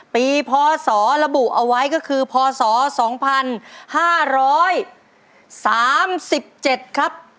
พศระบุเอาไว้ก็คือพศ๒๕๓๗ครับ